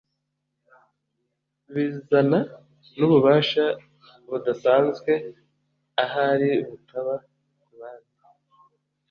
bizana nububasha budasanzwe ahari butaba kubandi.